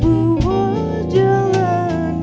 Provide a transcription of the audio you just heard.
menuju ke tempat